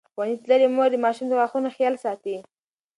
ښوونځې تللې مور د ماشوم د غاښونو خیال ساتي.